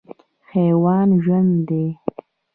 حیوان ژوند دی.